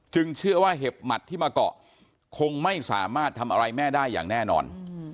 เชื่อว่าเห็บหมัดที่มาเกาะคงไม่สามารถทำอะไรแม่ได้อย่างแน่นอน